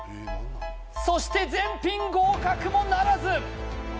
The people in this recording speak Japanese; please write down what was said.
そして全品合格もならず！